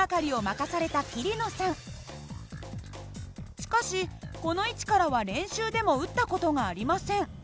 しかしこの位置からは練習でも撃った事がありません。